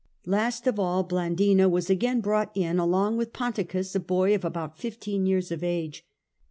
Last of all Blandina was again brought in along with Fonticus, a boy of about fifteen years of age.